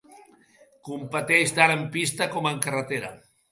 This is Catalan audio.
Competeix tant en pista com en carretera.